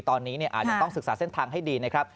ตอนนี้อาจจะต้องศึกษาเส้นทางให้ดีนะครับ